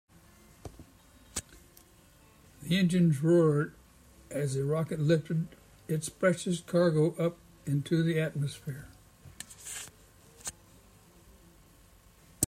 The engines roared as the rocket lifted its precious cargo up into the atmosphere.